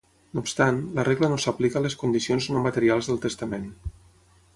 No obstant, la regla no s"aplica a les condicions no materials del testament.